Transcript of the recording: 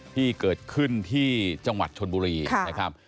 ที่เกิดขึ้นที่จังหวัดชนบุรีนะครับ